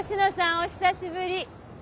お久しぶり。